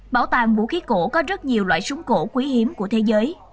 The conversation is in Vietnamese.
bảo tàng vũ khí cổ có rất nhiều loại súng cổ quý hiếm của thế giới